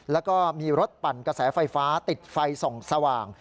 แล้วก็มีรถปั่นกระแสไฟฟ้าติดไฟส่องสว่าง